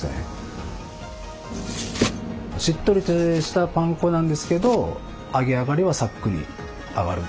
しっとりとしたパン粉なんですけど揚げ上がりはサックリ揚がる。